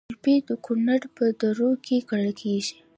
ګلپي د کونړ په درو کې کرل کیږي